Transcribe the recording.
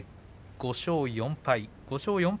５勝４敗